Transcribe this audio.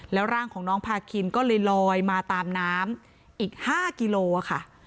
แล้วร่างของน้องพาคินก็เลยลอยมาตามน้ำอีก๕กิโลค่ะ